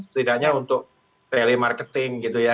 setidaknya untuk telemarketing gitu ya